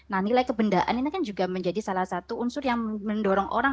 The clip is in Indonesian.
nah nilai kebendaan ini kan juga menjadi salah satu unsur yang mendorong orang